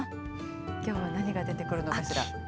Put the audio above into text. きょうは何が出てくるのかしら。